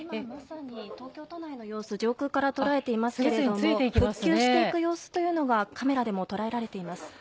東京都内の様子を上空から捉えていますが復旧していく様子がカメラでも捉えられています。